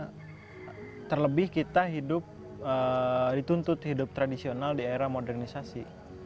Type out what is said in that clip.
karena terlebih kita hidup dituntut hidup tradisional di era modernisasi